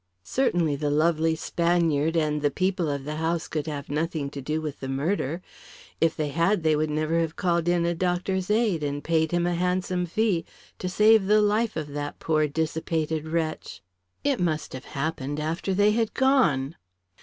Certainly the lovely Spaniard and the people of the house could have nothing to do with the murder. If they had, they would never have called in a doctor's aid and paid him a handsome fee to save the life of that poor dissipated wretch. It must have happened after they had gone.